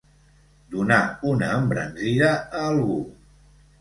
Donar una embranzida a algú.